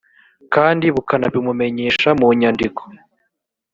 kandi bukanabimumenyesha mu nyandiko